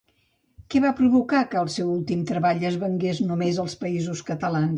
Què va provocar que el seu últim treball es vengués només als Països Catalans?